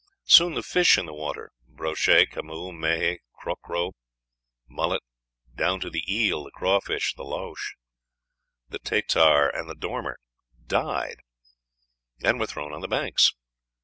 Soon the fish in the water brochet, camoo, meye, crocro, mullet, down to the eel, the crawfish, the loche, the tétar, and the dormer died, and were thrown on the banks.